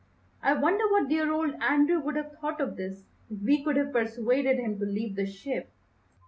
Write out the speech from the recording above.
I wonder what dear old Andrew would have thought of this if we could have persuaded him to leave the ship."